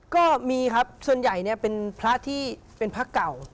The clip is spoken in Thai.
ก็มีครับส่วนใหญ่เนี่ยเป็นพระที่เป็นพระเก่า